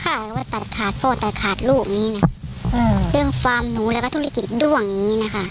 ค่ะว่าตัดขาดโฟนตัดขาดลูกนี้เนี่ยเรื่องฟาร์มหนูแล้วประธุรกิจด้วงอย่างนี้นะคะ